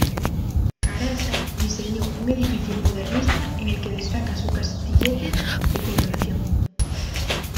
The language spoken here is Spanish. Carasa diseñó un edificio modernista en el que destaca su castillete de coronación.